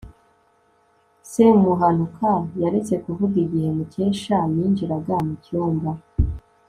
semuhanuka yaretse kuvuga igihe mukesha yinjiraga mu cyumba